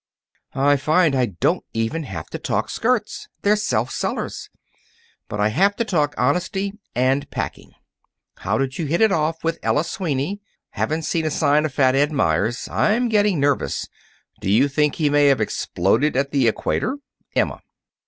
I find I don't even have to talk skirts. They're self sellers. But I have to talk honesty and packing. How did you hit it off with Ella Sweeney? Haven't seen a sign of Fat Ed Meyers. I'm getting nervous. Do you think he may have exploded at the equator? EMMA.